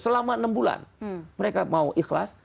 selama enam bulan mereka mau ikhlas